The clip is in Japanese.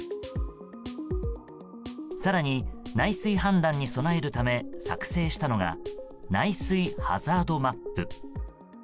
更に、内水氾濫に備えるため作成したのが内水ハザードマップ。